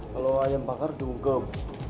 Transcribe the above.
kalau ayam bakar diungkep